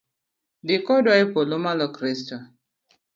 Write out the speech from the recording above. Dhi kodwa epolo malo Kristo